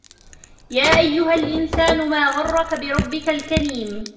يا أيها الإنسان ما غرك بربك الكريم